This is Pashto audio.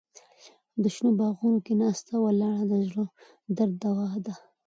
په شنو باغونو کې ناسته ولاړه د زړه درد دوا ده.